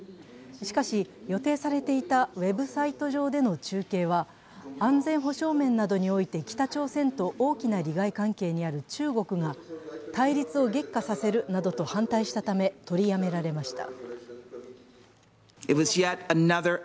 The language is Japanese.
しかし、予定されていたウェブサイト上での中継は安全保障面などにおいて北朝鮮と大きな利害関係にある中国が対立を激化させるなどと反対したため、取りやめられました。